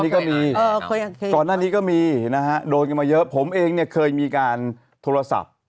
นี่ก็มีก่อนหน้านี้ก็มีนะฮะโดนกันมาเยอะผมเองเนี่ยเคยมีการโทรศัพท์